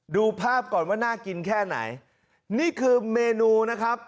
ดูภาพก่อนว่าน่ากินแค่ไหนนี่คือเมนูนะครับ